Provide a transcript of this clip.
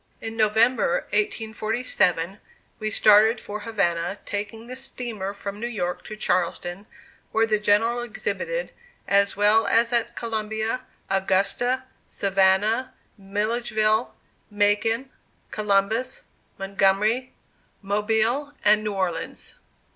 In November, 1847, we started for Havana, taking the steamer from New York to Charleston, where the General exhibited, as well as at Columbia, Augusta, Savannah, Milledgeville, Macon, Columbus, Montgomery, Mobile and New Orleans.